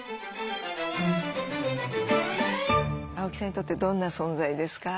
青木さんにとってどんな存在ですか？